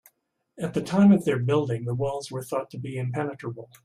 At the time of their building, the walls were thought to be impenetrable.